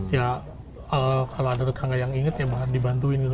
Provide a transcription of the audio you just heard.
ya kalau ada tetangga yang inget ya bahan dibantuin gitu